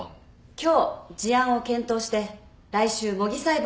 今日事案を検討して来週模擬裁判を行います。